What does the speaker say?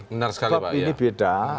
karena ini beda